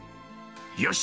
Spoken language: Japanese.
よし！